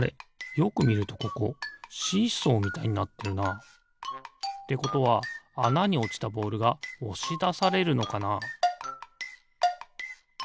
よくみるとここシーソーみたいになってるな。ってことはあなにおちたボールがおしだされるのかな？